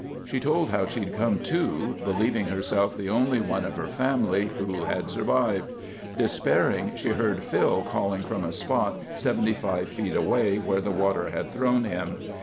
She told how she'd come to—believing herself the only one of her family who'd survived. Despairing, she heard Phil calling from a spot 75 feet away where the water had thrown him.